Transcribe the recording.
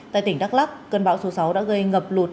tại tỉnh đắk lắc cơn bão số sáu đã gây ngập lụt